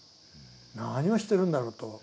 何をしてるんだろうと。